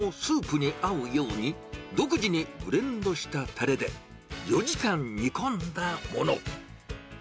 こちらもスープに合うように、独自にブレンドしたたれで、４時間煮込んだもの。